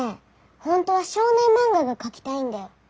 本当は少年漫画が描きたいんだよ。